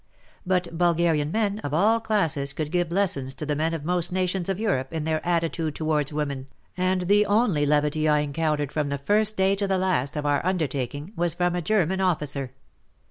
But Bulgarian men of all classes could give lessons to the men of most nations of Europe in their attitude towards women, and the only levity I encountered from the first day to the last of our undertaking was from a German officer.